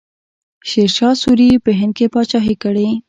شیرشاه سوري په هند کې پاچاهي کړې.